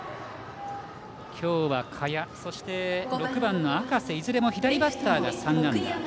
今日は賀谷そして６番の赤瀬いずれも左バッターが３安打。